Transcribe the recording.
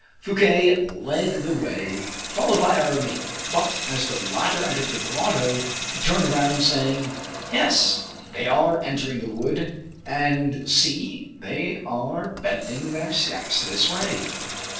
Fouquet led the way, followed by Aramis; but as the latter entered the grotto, he turned round, saying: "Yes, they are entering the wood; and, see, they are bending their steps this way."